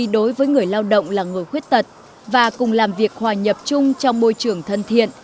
đối với người lao động là người khuyết tật và cùng làm việc hòa nhập chung trong môi trường thân thiện